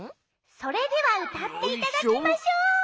それではうたっていただきましょう。